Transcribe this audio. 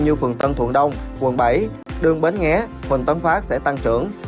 như phường tân thuận đông quận bảy đường bến nghế phường tân phát sẽ tăng trưởng